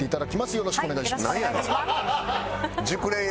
よろしくお願いします。